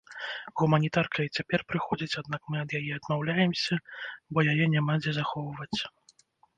Гуманітарка і цяпер прыходзіць, аднак мы ад яе адмаўляемся, бо яе няма дзе захоўваць.